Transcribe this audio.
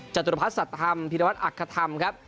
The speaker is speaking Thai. จตุรพัฒนสัตว์ธรรมพิรวัตรอักษธรรมครับ